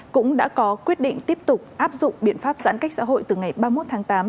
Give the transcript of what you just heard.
cũng đã có quyết định tiếp tục áp dụng biện pháp giãn cách xã hội từ ngày ba mươi một tháng tám